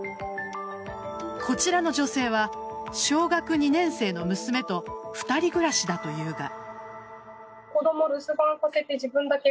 こちらの女性は小学２年生の娘と２人暮らしだというが。